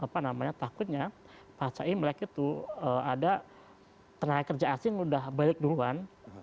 apa namanya takutnya pas imlek itu ada tenaga kerja asing udah balik duluan